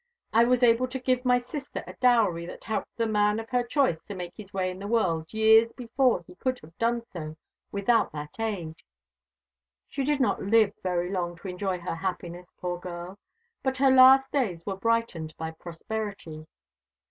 I was able to give my sister a dowry that helped the man of her choice to make his way in the world years before he could have done so without that aid. She did not live very long to enjoy her happiness, poor girl; but her last days were brightened by prosperity.